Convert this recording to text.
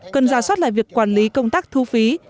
cần ra soát lại việc quản lý công tác thu phí